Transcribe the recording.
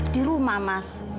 di rumah mas